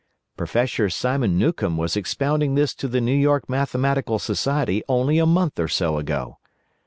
Professor Simon Newcomb was expounding this to the New York Mathematical Society only a month or so ago.